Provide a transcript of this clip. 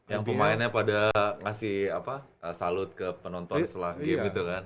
yang pemainnya pada ngasih salut ke penonton setelah game gitu kan